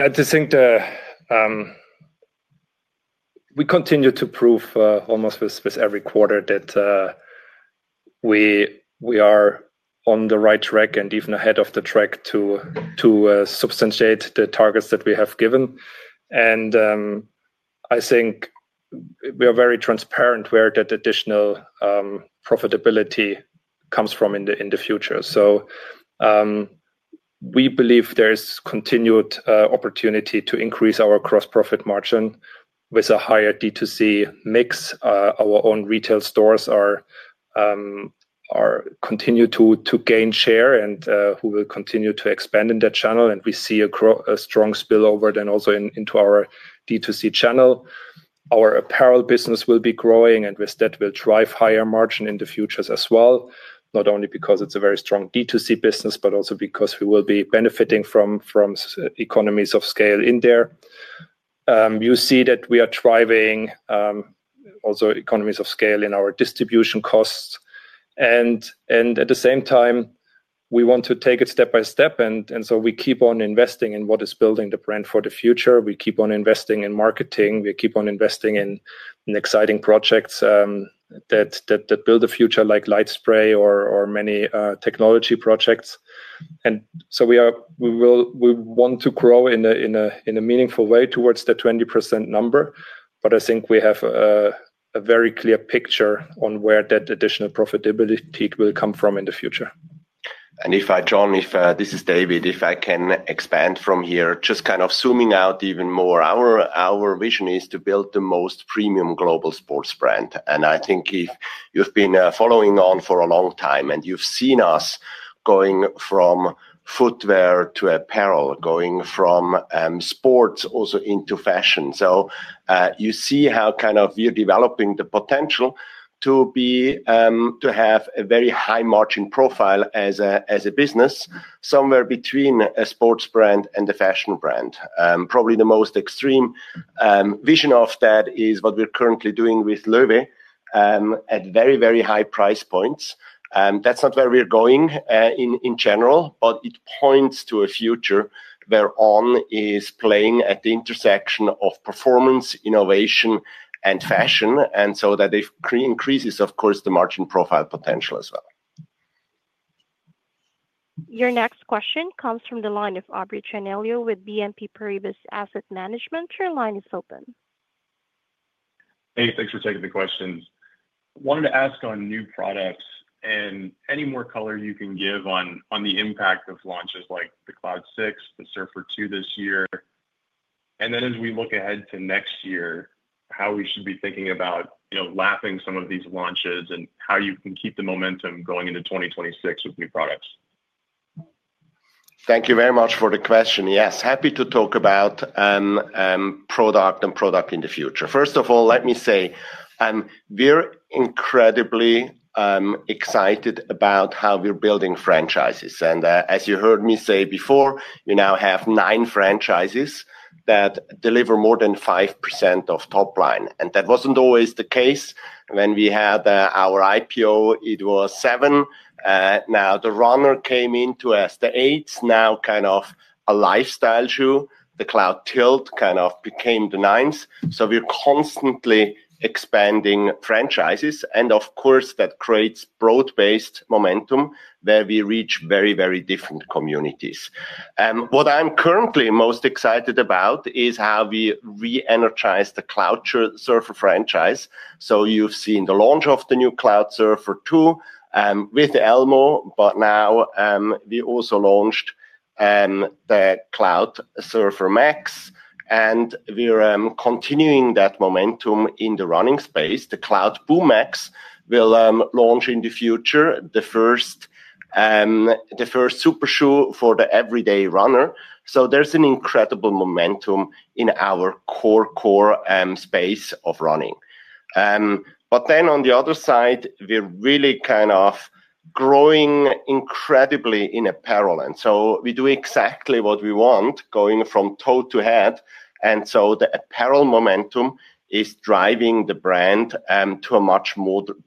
I think we continue to prove almost with every quarter that we are on the right track and even ahead of the track to substantiate the targets that we have given. I think we are very transparent where that additional profitability comes from in the future. We believe there is continued opportunity to increase our gross profit margin with a higher DTC mix. Our own retail stores continue to gain share and will continue to expand in that channel. We see a strong spillover then also into our DTC channel. Our apparel business will be growing, and with that, we'll drive higher margin in the future as well, not only because it's a very strong DTC business, but also because we will be benefiting from economies of scale in there. You see that we are driving also economies of scale in our distribution costs. At the same time, we want to take it step by step. We keep on investing in what is building the brand for the future. We keep on investing in marketing. We keep on investing in exciting projects that build the future, like LightSpray or many technology projects. We want to grow in a meaningful way towards that 20% number. I think we have a very clear picture on where that additional profitability will come from in the future. John, this is David. If I can expand from here, just kind of zooming out even more, our vision is to build the most premium global sports brand. I think if you've been following On for a long time and you've seen us going from footwear to apparel, going from sports also into fashion, you see how we are developing the potential to have a very high margin profile as a business somewhere between a sports brand and a fashion brand. Probably the most extreme vision of that is what we're currently doing with Loewe at very, very high price points. That's not where we're going in general, but it points to a future where On is playing at the intersection of performance, innovation, and fashion. That increases, of course, the margin profile potential as well. Your next question comes from the line of Aubrey Tianello with BNP Paribas Asset Management. Your line is open. Hey, thanks for taking the questions. I wanted to ask on new products and any more color you can give on the impact of launches like the Cloud 6, the Cloudsurfer 2 this year. As we look ahead to next year, how we should be thinking about lapping some of these launches and how you can keep the momentum going into 2026 with new products. Thank you very much for the question. Yes, happy to talk about a product and product in the future. First of all, let me say we're incredibly excited about how we're building franchises. As you heard me say before, we now have nine franchises that deliver more than 5% of top line. That wasn't always the case. When we had our IPO, it was seven. Now the runner came into us. The eighth is now kind of a lifestyle shoe. The Cloudtilt kind of became the ninth. We're constantly expanding franchises. Of course, that creates broad-based momentum where we reach very, very different communities. What I'm currently most excited about is how we re-energize the Cloudsurfer franchise. You've seen the launch of the new Cloudsurfer 2 with Elmo. We also launched the Cloudsurfer Max. We're continuing that momentum in the running space. The Cloudboom Max will launch in the future, the first super shoe for the everyday runner. There's an incredible momentum in our core core space of running. On the other side, we're really kind of growing incredibly in apparel. We do exactly what we want, going from toe to head. The apparel momentum is driving the brand to a much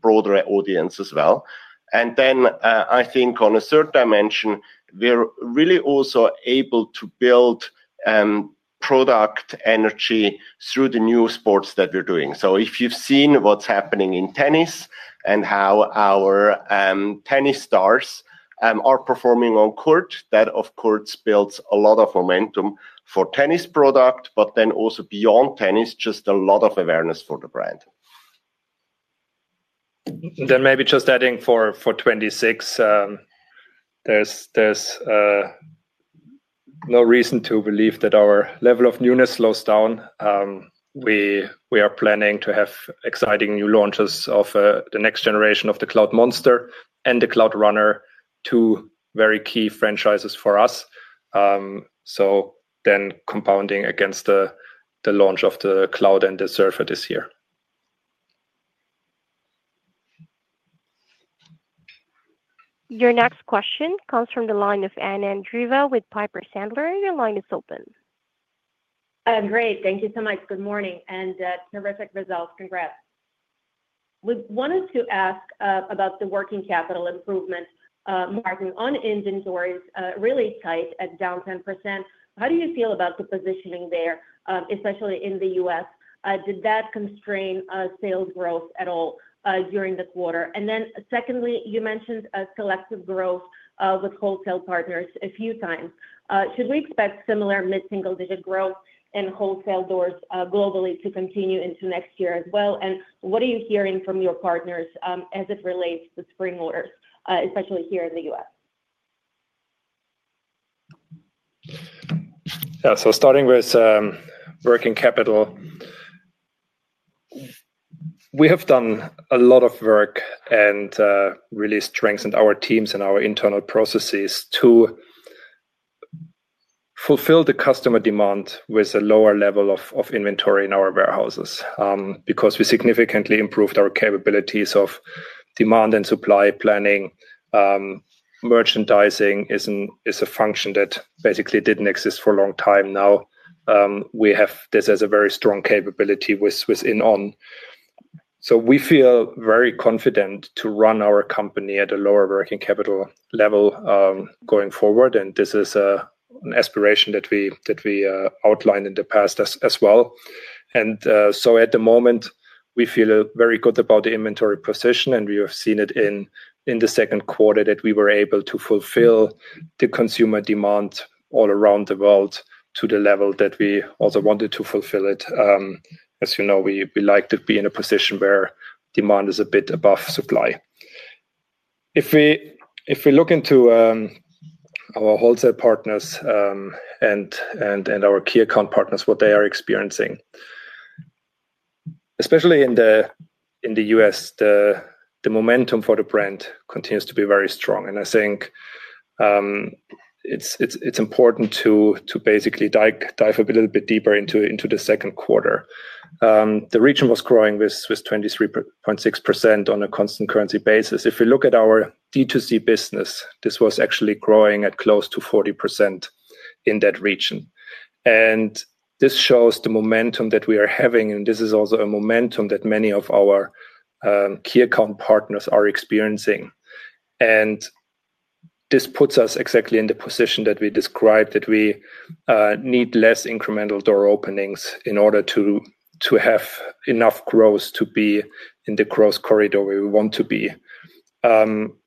broader audience as well. I think on a third dimension, we're really also able to build product energy through the new sports that we're doing. If you've seen what's happening in tennis and how our tennis stars are performing on court, that of course builds a lot of momentum for tennis product, but then also beyond tennis, just a lot of awareness for the brand. For 2026, there's no reason to believe that our level of newness slows down. We are planning to have exciting new launches of the next generation of the Cloudmonster and the Cloudrunner, two very key franchises for us, compounding against the launch of the Cloud and the Cloudsurfer this year. Your next question comes from the line of Anna Andreeva with Piper Sandler. Your line is open. Great, thank you so much. Good morning and terrific results. Congrats. We wanted to ask about the working capital improvement margin on inventories, really tight at down 10%. How do you feel about the positioning there, especially in the U.S.? Did that constrain sales growth at all during the quarter? Secondly, you mentioned selective growth with wholesale partners a few times. Should we expect similar mid-single-digit growth in wholesale doors globally to continue into next year as well? What are you hearing from your partners as it relates to spring orders, especially here in the U.S.? Yeah, so starting with working capital, we have done a lot of work and really strengthened our teams and our internal processes to fulfill the customer demand with a lower level of inventory in our warehouses because we significantly improved our capabilities of demand and supply planning. Merchandising is a function that basically didn't exist for a long time. Now we have this as a very strong capability within On. We feel very confident to run our company at a lower working capital level going forward. This is an aspiration that we outlined in the past as well. At the moment, we feel very good about the inventory position. We have seen it in the second quarter that we were able to fulfill the consumer demand all around the world to the level that we also wanted to fulfill it. As you know, we like to be in a position where demand is a bit above supply. If we look into our wholesale partners and our key account partners, what they are experiencing, especially in the U.S., the momentum for the brand continues to be very strong. I think it's important to basically dive a little bit deeper into the second quarter. The region was growing with 23.6% on a constant currency basis. If we look at our D2C business, this was actually growing at close to 40% in that region. This shows the momentum that we are having. This is also a momentum that many of our key account partners are experiencing. This puts us exactly in the position that we described, that we need less incremental door openings in order to have enough growth to be in the growth corridor where we want to be. The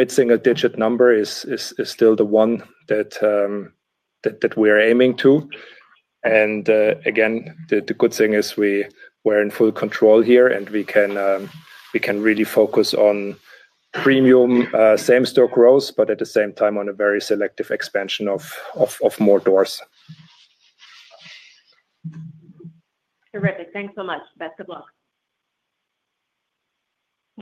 mid-single-digit number is still the one that we're aiming to. The good thing is we're in full control here. We can really focus on premium same-store growth, but at the same time, on a very selective expansion of more doors. Terrific. Thanks so much. Best of luck.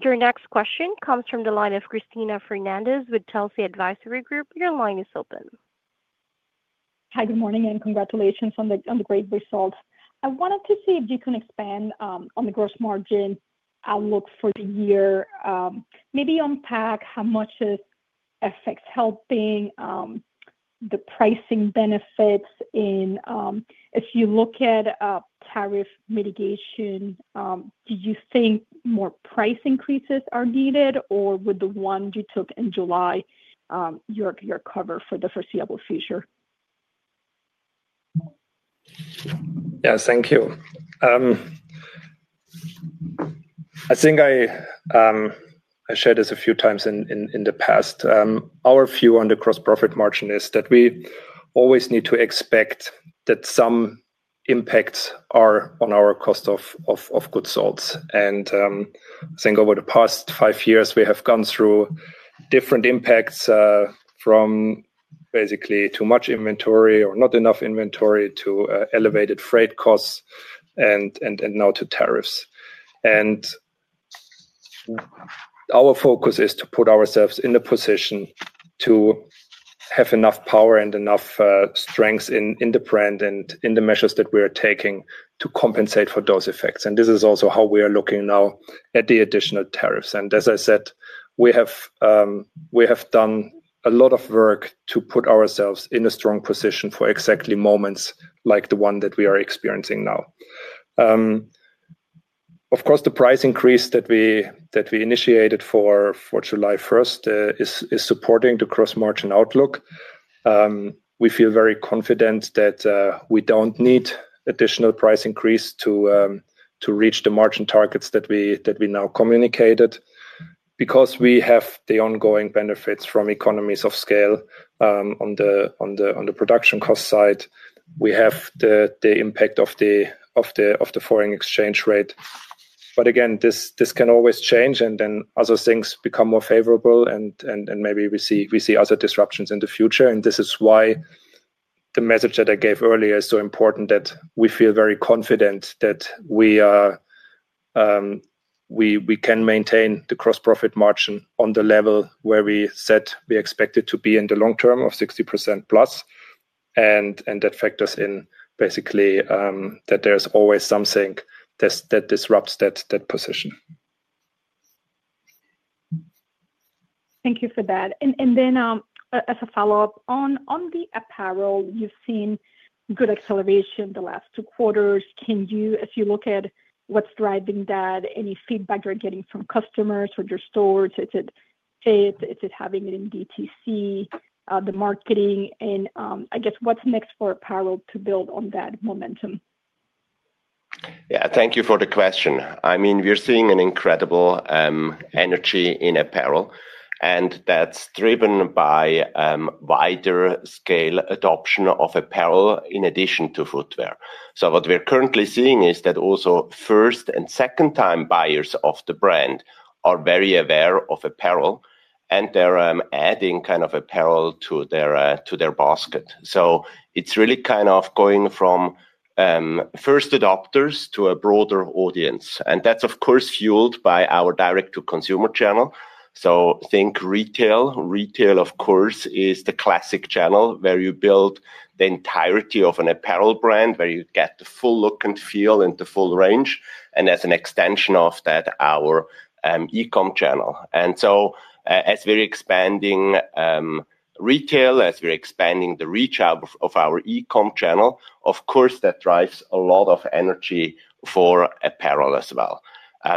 Your next question comes from the line of Cristina Fernández with Telsey Advisory Group. Your line is open. Hi, good morning, and congratulations on the great results. I wanted to see if you can expand on the gross margin outlook for the year, maybe unpack how much is FX helping the pricing benefits in. If you look at tariff mitigation, do you think more price increases are needed, or would the one you took in July cover for the foreseeable future? Yeah, thank you. I think I shared this a few times in the past. Our view on the gross profit margin is that we always need to expect that some impacts are on our cost of goods sold. I think over the past five years, we have gone through different impacts from basically too much inventory or not enough inventory to elevated freight costs and now to tariffs. Our focus is to put ourselves in the position to have enough power and enough strength in the brand and in the measures that we are taking to compensate for those effects. This is also how we are looking now at the additional tariffs. As I said, we have done a lot of work to put ourselves in a strong position for exactly moments like the one that we are experiencing now. Of course, the price increase that we initiated for July 1st is supporting the gross margin outlook. We feel very confident that we don't need additional price increase to reach the margin targets that we now communicated because we have the ongoing benefits from economies of scale on the production cost side. We have the impact of the foreign exchange rate. Again, this can always change, and then other things become more favorable, and maybe we see other disruptions in the future. This is why the message that I gave earlier is so important that we feel very confident that we can maintain the gross profit margin on the level where we said we expect it to be in the long term of 60%+. That factors in basically that there's always something that disrupts that position. Thank you for that. As a follow-up, on the apparel, you've seen good acceleration in the last two quarters. As you look at what's driving that, any feedback you're getting from customers or your stores? Is it fit? Is it having it in DTC, the marketing? What's next for apparel to build on that momentum? Yeah, thank you for the question. I mean, we're seeing an incredible energy in apparel, and that's driven by wider scale adoption of apparel in addition to footwear. What we're currently seeing is that also first and second-time buyers of the brand are very aware of apparel, and they're adding kind of apparel to their basket. It's really kind of going from first adopters to a broader audience. That's, of course, fueled by our direct-to-consumer channel. Think retail. Retail, of course, is the classic channel where you build the entirety of an apparel brand, where you get the full look and feel and the full range. As an extension of that, our e-com channel. As we're expanding retail, as we're expanding the reach of our e-com channel, of course, that drives a lot of energy for apparel as well.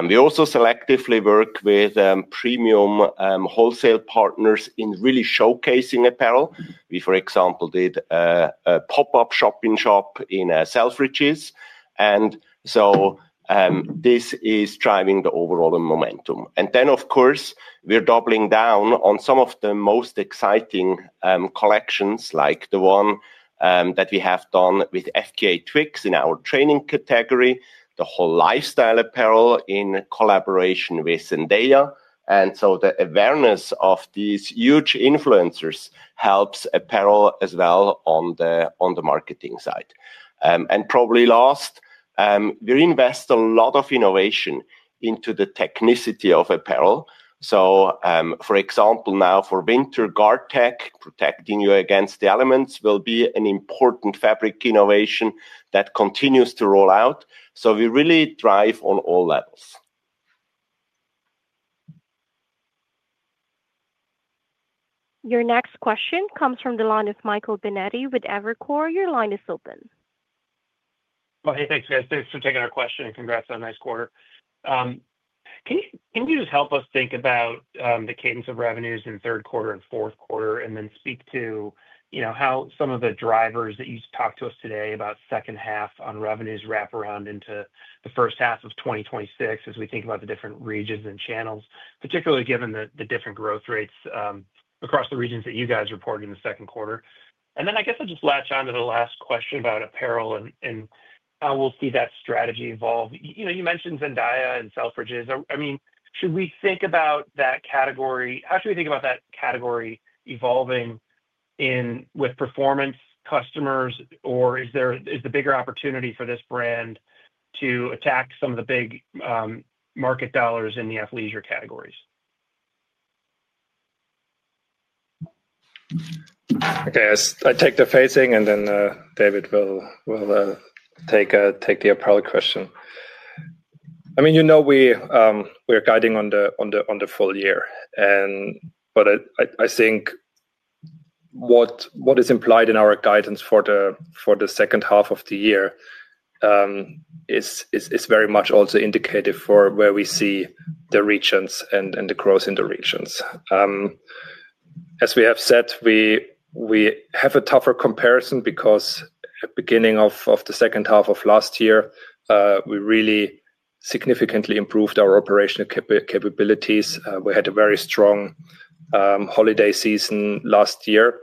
We also selectively work with premium wholesale partners in really showcasing apparel. For example, we did a pop-up shopping shop in Selfridges. This is driving the overall momentum. We're doubling down on some of the most exciting collections, like the one that we have done with FKA Twigs in our training category, the whole lifestyle apparel in collaboration with Zendaya. The awareness of these huge influencers helps apparel as well on the marketing side. Probably last, we invest a lot of innovation into the technicity of apparel. For example, now for winter guard tech, protecting you against the elements will be an important fabric innovation that continues to roll out. We really drive on all levels. Your next question comes from the line of Michael Binetti with Evercore. Your line is open. Thank you for taking our question, and congrats on a nice quarter. Can you just help us think about the cadence of revenues in the third quarter and fourth quarter, and then speak to how some of the drivers that you talked to us today about second half on revenues wrap around into the first half of 2026 as we think about the different regions and channels, particularly given the different growth rates across the regions that you guys report in the second quarter? I guess I'll just latch on to the last question about apparel and how we'll see that strategy evolve. You mentioned Zendaya and Selfridges. Should we think about that category? How should we think about that category evolving with performance customers, or is there a bigger opportunity for this brand to attack some of the big market dollars in the athleisure categories? Okay, I'll take the facing, and then David will take the apparel question. I mean, you know we're guiding on the full year. I think what is implied in our guidance for the second half of the year is very much also indicative for where we see the regions and the growth in the regions. As we have said, we have a tougher comparison because at the beginning of the second half of last year, we really significantly improved our operational capabilities. We had a very strong holiday season last year.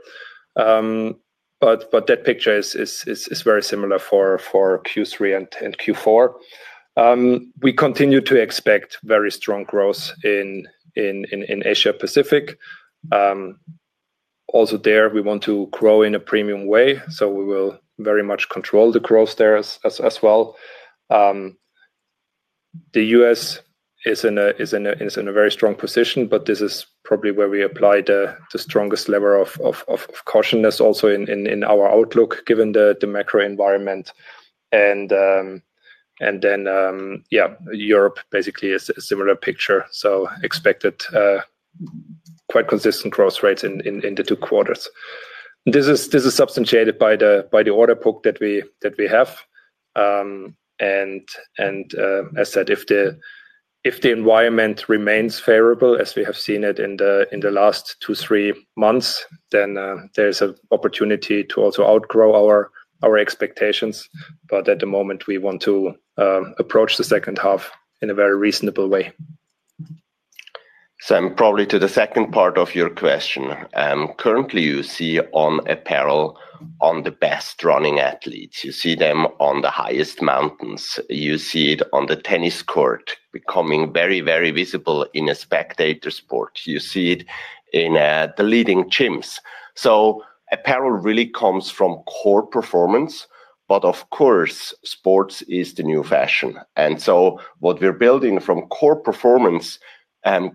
That picture is very similar for Q3 and Q4. We continue to expect very strong growth in Asia-Pacific. Also there, we want to grow in a premium way. We will very much control the growth there as well. The U.S. is in a very strong position, but this is probably where we apply the strongest lever of cautiousness also in our outlook, given the macro environment. Europe basically is a similar picture. Expected quite consistent growth rates in the two quarters. This is substantiated by the order book that we have. As I said, if the environment remains favorable, as we have seen it in the last two, three months, then there's an opportunity to also outgrow our expectations. At the moment, we want to approach the second half in a very reasonable way. Probably to the second part of your question, currently you see on apparel the best running athletes. You see them on the highest mountains. You see it on the tennis court, becoming very, very visible in a spectator sport. You see it in the leading gyms. Apparel really comes from core performance. Of course, sports is the new fashion, and what we're building from core performance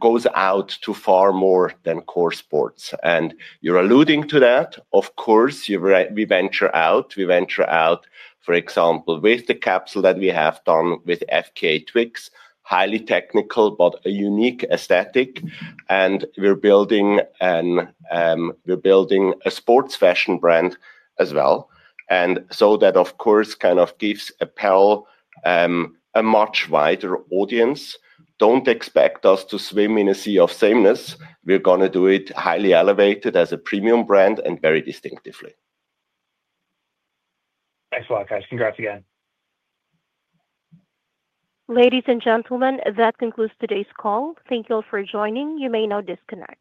goes out to far more than core sports. You're alluding to that. We venture out, for example, with the capsule that we have done with FKA Twigs, highly technical but a unique aesthetic. We're building a sports fashion brand as well, and that, of course, kind of gives apparel a much wider audience. Don't expect us to swim in a sea of sameness. We're going to do it highly elevated as a premium brand and very distinctively. Thanks a lot, guys. Congrats again. Ladies and gentlemen, that concludes today's call. Thank you all for joining. You may now disconnect.